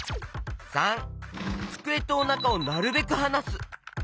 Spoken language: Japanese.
③つくえとおなかをなるべくはなす。